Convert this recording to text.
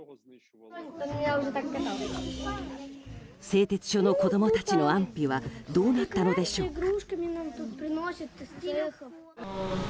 製鉄所の子供たちの安否はどうなったのでしょうか。